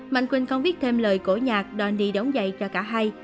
mạnh quỳnh còn viết thêm lời cổ nhạc đoàn đi đóng dạy cho cả hai